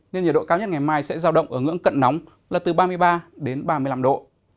nên nhiệt độ cao nhất ngày mai sẽ giao động ở ngưỡng cận nóng là từ ba mươi ba đến ba mươi năm độ